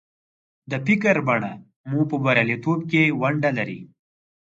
د فکر بڼه مو په برياليتوب کې ونډه لري.